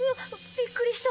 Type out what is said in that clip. びっくりした。